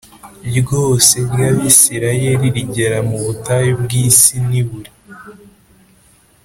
Ryose ry abisirayeli rigera mu butayu bw i sini buri